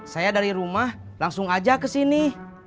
saya dari rumah langsung aja kesini